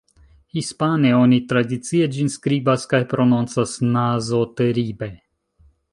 Hispane, oni tradicie ĝin skribas kaj prononcas "Nazo-Teribe".